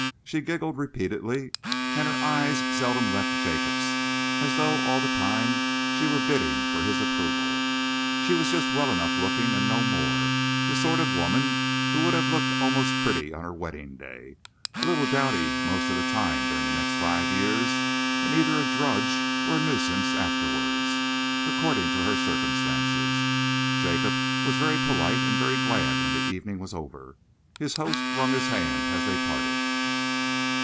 She giggled repeatedly, and her eyes seldom left Jacob's, as though all the time she were bidding for his approval. She was just well enough looking and no more, the sort of woman who would have looked almost pretty on her wedding day, a little dowdy most of the time during the next five years, and either a drudge or a nuisance afterwards, according to her circumstances. Jacob was very polite and very glad when the evening was over. His host wrung his hand as they parted.